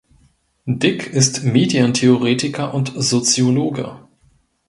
Dick ist Medientheoretiker und Soziologe.